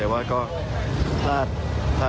วินดีครับกิตุ้นเพราะว่าสุดยอดแล้วครับ